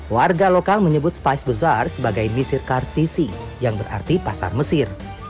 warga lokal menyebut spice besar sebagai misir karsisi yang berarti pasar mesir